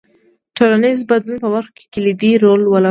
ټولنیز بدلون په برخو کې کلیدي رول ولوباوه.